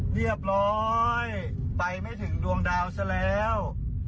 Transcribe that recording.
เรียบร้อยไปไม่ถึงดวงดาวซะแล้ว